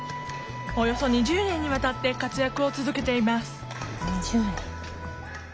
およそ２０年にわたって活躍を続けています